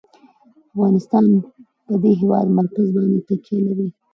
افغانستان په د هېواد مرکز باندې تکیه لري.